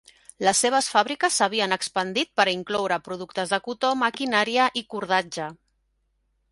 Les seves fàbriques s'havien expandit per a incloure, productes de cotó, maquinària i cordatge.